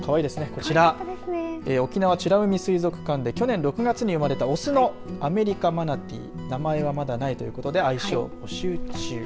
こちら沖縄美ら海水族館で去年６月に生まれたオスのアメリカマナティー名前はまだないということで愛称を募集中。